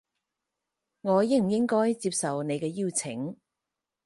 我應唔應該接受你嘅邀請